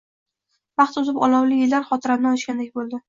Vaqt o`tib, olovli yillar xotiramdan o`chgandek bo`ldi